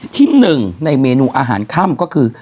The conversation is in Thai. ที่หนึ่งในเมนูอาหารค่ำก็คือ